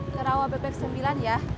terawah bebek sembilan ya